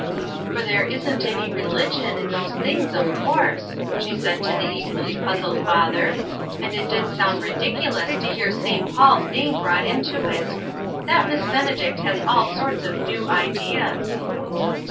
" For there isn't any religion in those things, of course," she said to the equally puzzled father, "and it did sound ridiculous to hear St. Paul's name brought into it ! That Miss Benedict has all sorts of new ideas."